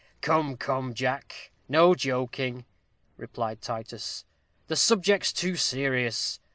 "Come, come, Jack, no joking," replied Titus; "the subject's too serious.